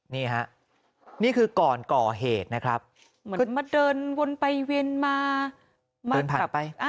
นี่นะนี่คือก่อนก่อเหตุนะครับเสริฟวันไปเวนมาภันไป